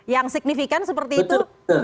yang signifikan seperti itu